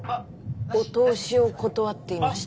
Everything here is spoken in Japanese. お通しを断っていました。